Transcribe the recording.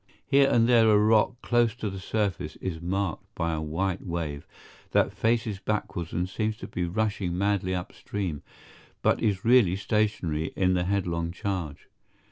Here and there a rock close to the surface is marked by a white wave that faces backwards and seems to be rushing madly up stream, but is really stationary in the headlong charge.